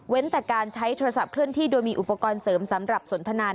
แต่การใช้โทรศัพท์เคลื่อนที่โดยมีอุปกรณ์เสริมสำหรับสนทนา